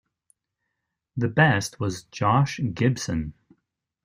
The best was Josh Gibson.